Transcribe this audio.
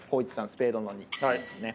スペードの２ですね。